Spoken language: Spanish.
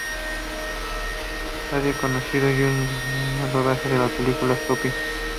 Sadie conoció a Jude Law durante el rodaje de la película "Shopping".